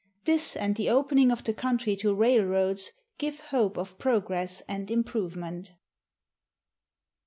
This and the opening of the country to rail roads give hope of progress and improvement.